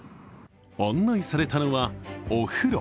案内されたのは、お風呂。